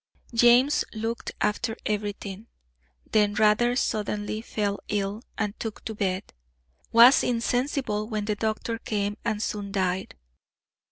James looked after everything; then rather suddenly fell ill, and took to bed; was insensible when the doctor came, and soon died.